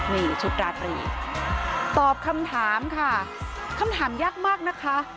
นี่ชุดราตรีตอบคำถามค่ะคำถามยากมากนะคะ